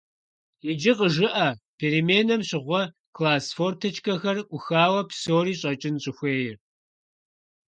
Иджы къыжыӀэ переменэм щыгъуэ класс форточкэхэр Ӏухауэ псори щӀэкӀын щӀыхуейр.